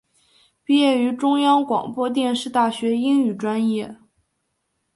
毕业于中央广播电视大学英语专业。